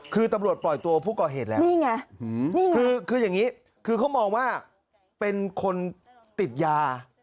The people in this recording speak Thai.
คือตำรวจปล่อยตัวผู้ก่อเหตุแล้วนี่ไงคืออย่างนี้คือเขามองว่าเป็นคนติดยา